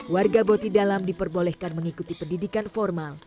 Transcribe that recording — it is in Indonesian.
warga botidalam diperbolehkan mengikuti pendidikan formal